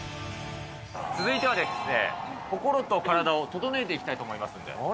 続いてはですね、心と体を整えていきたいと思いますんで。